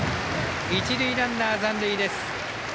一塁ランナー、残塁です。